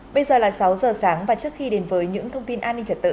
bây giờ là sáu giờ sáng và trước khi đến với những thông tin an ninh trật tự